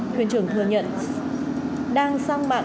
thuyền trưởng thừa nhận đang sang mạng